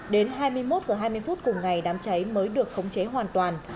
đến hai mươi một h hai mươi phút cùng ngày đám cháy mới được khống chế hoàn toàn